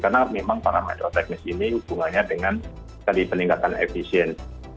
karena memang parameter teknis ini hubungannya dengan sekali peningkatan efisien